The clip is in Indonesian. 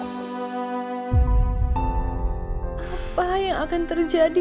apa yang akan terjadi